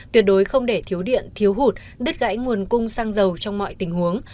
tuyệt đối không để thiếu điện thiếu hụt đứt gãy nguồn cung xăng dầu trong mọi tình huống